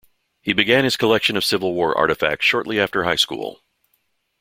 He began his collection of civil war artifacts shortly after high school.